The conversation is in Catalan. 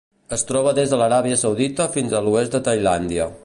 Es troba des de l'Aràbia Saudita fins a l'oest de Tailàndia.